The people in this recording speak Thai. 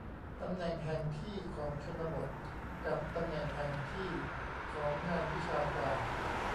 ตำแหน่งแห่งที่ของชนบท กับตำแหน่งแห่งที่ของงานวิชาการ